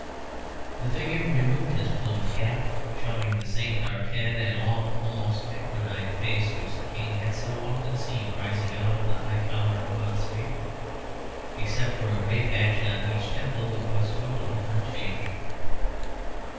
The figure removed his plumed cap, showing the same dark head and long, almost equine face which the King had so often seen rising out of the high collar of Bond Street. Except for a grey patch on each temple, it was totally unchanged.